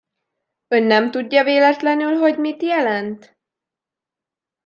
Ön nem tudja véletlenül, hogy mit jelent?